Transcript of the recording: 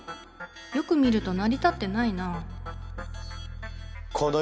よく見ると成り立ってないな。